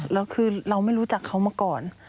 แล้วคือเราไม่รู้จักเขามาก่อน